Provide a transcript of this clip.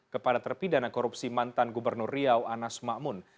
kepada terpidana korupsi mantan gubernur riau anas makmun